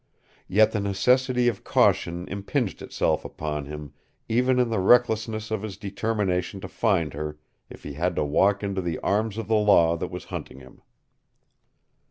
Yet the necessity of caution impinged itself upon him even in the recklessness of his determination to find her if he had to walk into the arms of the law that was hunting him.